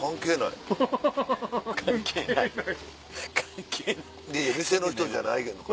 いやいや店の人じゃないけど。